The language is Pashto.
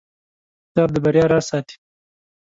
کتاب د بریا راز ساتي.